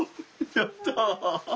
やった。